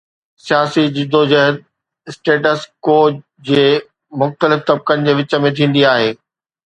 سياسي جدوجهد status quo جي مختلف طبقن جي وچ ۾ ٿيندي آهي.